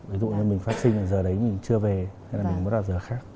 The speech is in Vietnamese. ví dụ như mình phát sinh là giờ đấy mình chưa về hay là mình mất vào giờ khác